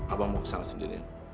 abah mau kesana sendirian